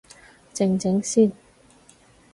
靜靜先